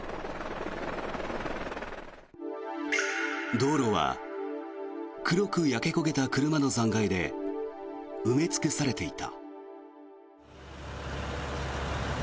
道路は黒く焼け焦げた車の残骸で埋め尽くされていた。